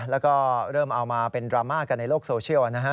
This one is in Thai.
แล้วก็เริ่มเอามาเป็นดราม่ากันในโลกโซเชียลนะฮะ